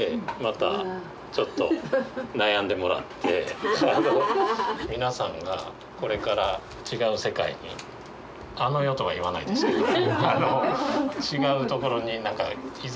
忙しい中やねんけど皆さんがこれから違う世界にあの世とは言わないですけどね。